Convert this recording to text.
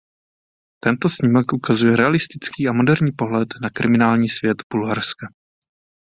Tento snímek ukazuje realistický a moderní pohled na kriminální svět Bulharska.